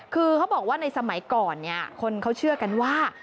คือเขาบอกว่าในสมัยก่อนเนี่ยคนเขาเชื่อกันว่า